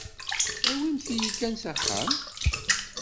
Awimt-iyi kan s axxam.